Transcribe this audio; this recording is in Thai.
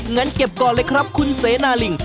งั้นเก็บก่อนเลยครับคุณเสนาลิง